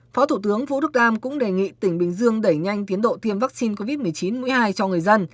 phó thủ tướng vũ đức đam cũng đề nghị tỉnh bình dương đẩy nhanh tiến độ tiêm vaccine covid một mươi chín mũi hai cho người dân